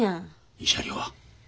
慰謝料は？